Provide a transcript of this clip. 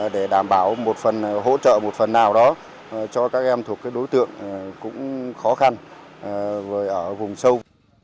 để đảm bảo một phần hỗ trợ một phần nào đó cho các em thuộc đối tượng cũng khó khăn ở vùng sâu